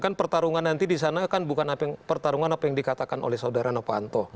kan pertarungan nanti di sana kan bukan pertarungan apa yang dikatakan oleh saudara novanto